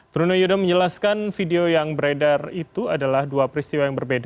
truno yudo menjelaskan video yang beredar itu adalah dua peristiwa yang berbeda